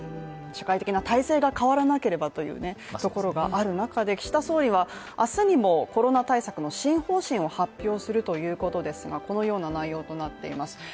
社会的な体制が変わらなければというところがある中で、岸田総理は明日にもコロナ対策の新方針を発表するということですがこのような内容となっています。